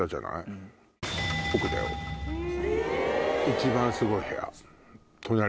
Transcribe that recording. ⁉一番すごい部屋。